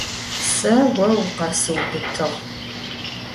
Se vo vukhesıubıtığ.